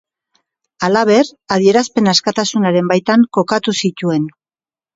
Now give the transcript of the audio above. Halaber, adierazpen askatasunaren baitan kokatu zituen.